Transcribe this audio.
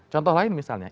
contoh lain misalnya